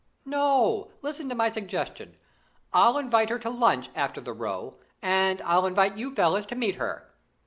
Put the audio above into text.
"No, listen to my suggestion. I'll invite her to lunch after the row, and I'll invite you fellows to meet her."